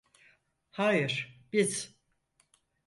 Hayır, biz…